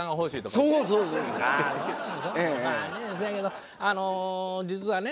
せやけどあの実はね